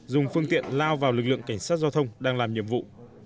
dùng phương tiện lao vào lực lượng cảnh sát giao thông đang làm nhiệm vụ